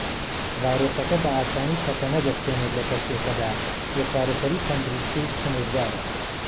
ڤایرۆسەکە بە ئاسانی تەشەنە دەستێنێت لە کەشتییەکەدا وە چارەسەری تەندروستیش سنوردارە.